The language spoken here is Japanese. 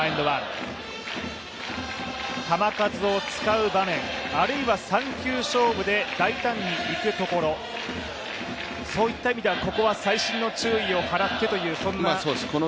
球数を使う場面あるいは３球勝負で大胆にいくところ、そういった意味ではここは細心の注意を払ってという、そんな場面ですかね。